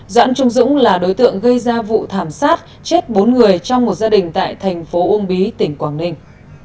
doãn trung dũng là đối tượng gây ra vụ thảm sát chết bốn người trong một gia đình tại thành phố uông bí tỉnh quảng ninh